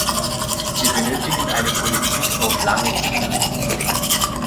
Wir benötigen eine Politik auf lange Sicht.